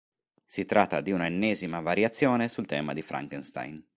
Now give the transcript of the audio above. Si tratta di una ennesima variazione sul tema di Frankenstein.